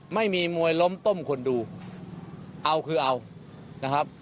ไม่มีมวยล้มต้มคนดูเอาคือเอานะครับ